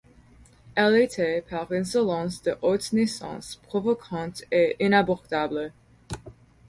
Elle était, par insolence de haute naissance, provocante et inabordable.